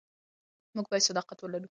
موږ باید صادق واوسو.